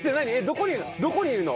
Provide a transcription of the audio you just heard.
どこにいるの？